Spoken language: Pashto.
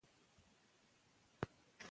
مادي ژبه ذهن ارام ساتي.